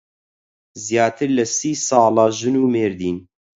زیاتر لە سی ساڵە ژن و مێردین.